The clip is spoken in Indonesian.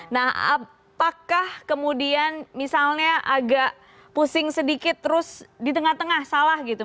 nah apakah kemudian misalnya agak pusing sedikit terus di tengah tengah salah gitu